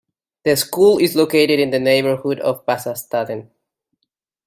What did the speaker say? The school is located in the neighbourhood of Vasastaden.